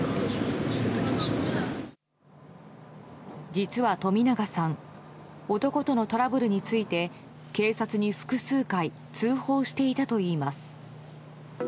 実は冨永さん男とのトラブルについて警察に複数回通報していたといいます。